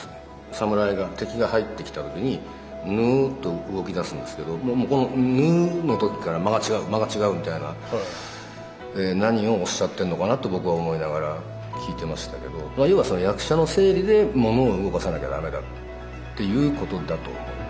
侍が敵が入ってきた時にぬっと動きだすんですけどこのぬっの時から間が違う間が違うみたいな何をおっしゃってんのかなと僕は思いながら聞いてましたけど要は役者の生理で物を動かさなきゃ駄目だっていうことだと思います。